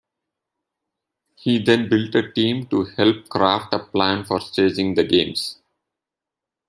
He then built a team to help craft a plan for staging the Games.